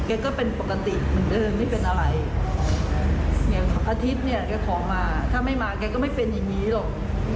อาทิตย์เนี่ยแกขอมาถ้าไม่มาแกก็ไม่เป็นอย่างนี้หรอก